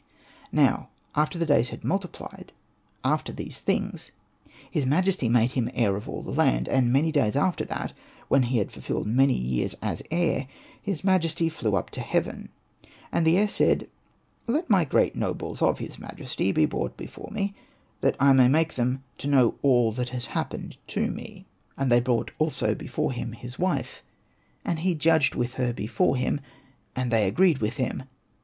Now after the days had multiplied after these things, his majesty made him heir of all the land. And many days after that, when he had fulfilled many years as heir, his majesty flew up to heaven. And the heir said, " Let my great nobles of his majesty be brought before me, that I may make them to know all that has happened to me," And they brought Hosted by Google REMARKS 65 also before him his wife, and he judged with her before him, and they agreed with him.